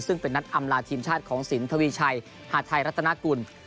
ซึ่งเป็นนัดอำลาทีมชาติของสินทวีชัยหาดไทยรัฐนากุล